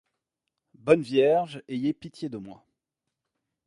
Bonne Vierge, ayez pitié de moi!